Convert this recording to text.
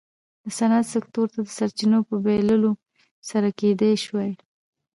د صنعت سکتور ته د سرچینو په بېلولو سره کېدای شوای.